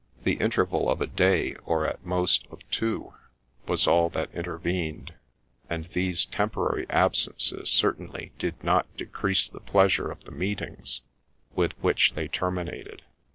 The interval of a day, or at most of two, was all that intervened, and these temporary absences certainly did not decrease the pleasure of the meetings with which they terminated.